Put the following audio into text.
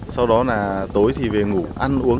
sau đó là tối thì về ngủ ăn uống